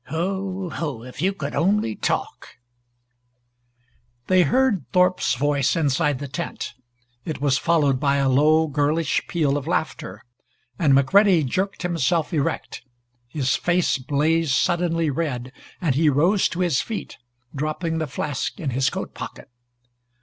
Ho, ho, if you could only talk " They heard Thorpe's voice inside the tent. It was followed by a low girlish peal of laughter, and McCready jerked himself erect. His face blazed suddenly red, and he rose to his feet, dropping the flask in his coat pocket.